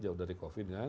jauh dari covid kan